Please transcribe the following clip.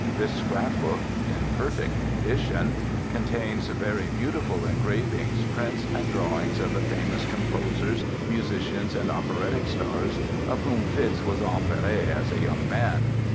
This scrapbook, in perfect condition, contains very beautiful engravings, prints, and drawings of the famous composers, musicians, and operatic stars of whom Fitz was enivré as a young man.